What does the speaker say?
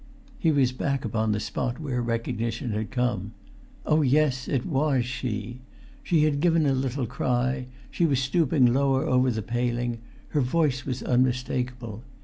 He was back upon the spot where recognition had come. Oh, yes, it was she! She had given a little cry; she was stooping lower over the paling; her voice was unmistakable.